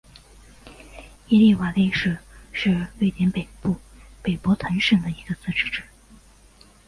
耶利瓦勒市是瑞典北部北博滕省的一个自治市。